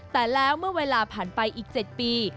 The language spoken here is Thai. แต่แล้วเมื่อเวลาผ่านไปอีก๗ปี